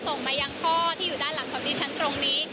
ส่งไปยังทอที่อยู่ด้านหลังขวับนี้ชั้นตรงนี้